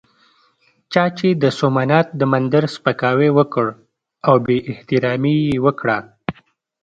چا چې د سومنات د مندر سپکاوی وکړ او بې احترامي یې وکړه.